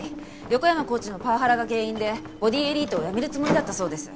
横山コーチのパワハラが原因でボディエリートを辞めるつもりだったそうです。